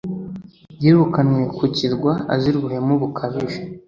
Yirukanywe ku kirwa azira ubuhemu bukabije.